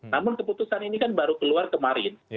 namun keputusan ini kan baru keluar kemarin